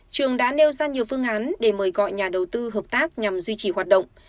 trường đã nêu ra nhiều phương án để mời gọi nhà đầu tư hợp tác nhằm duy trì hoạt động